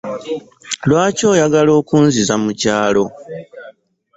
Lwaki oyagala okunziza mu kyalo?